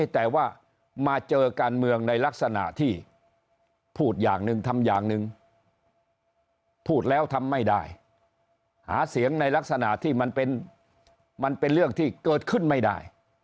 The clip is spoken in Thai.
แต่ว่ามาเจอการเมืองในลักษณะที่พูดอย่างหนึ่งทำอย่างหนึ่งพูดแล้วทำไม่ได้หาเสียงในลักษณะที่มันเป็นเรื่องที่เกิดขึ้นไม่ได้